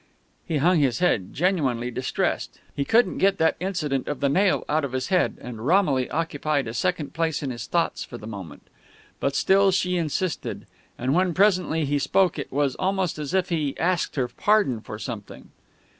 He hung his head, genuinely distressed. He couldn't get that incident of the nail out of his head, and Romilly occupied a second place in his thoughts for the moment. But still she insisted; and when presently he spoke it was almost as if he asked her pardon for something.